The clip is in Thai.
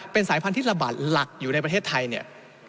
เป็นสายพันธุ์ระบาดหลักอยู่ในประเทศไทยเนี่ย